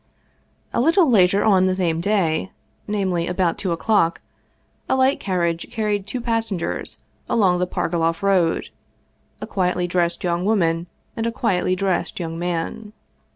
A little latej on the same day namely, about two o'clock a light carriage carried two passengers along the Par goloff road : a quietly dressed young woman and a quietly dressed young man.